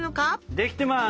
できてます！